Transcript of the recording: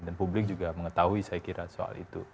dan publik juga mengetahui saya kira soal itu